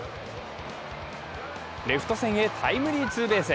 レフト線へタイムリーツーベース。